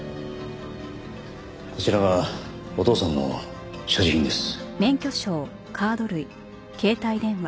こちらがお父さんの所持品です。